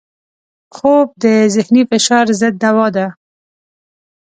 خوب د ذهني فشار ضد دوا ده